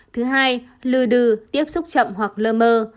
thứ hai lư tiếp xúc chậm hoặc lơ mơ